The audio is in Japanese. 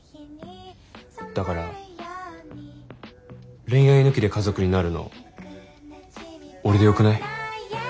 だから恋愛抜きで家族になるの俺でよくない？